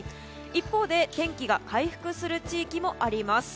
一方で天気が回復する地域もあります。